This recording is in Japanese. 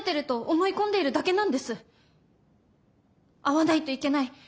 会わないといけない。